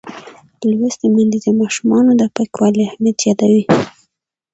لوستې میندې د ماشومانو د پاکوالي اهمیت یادوي.